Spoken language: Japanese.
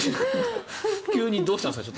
急にどうしたんですか。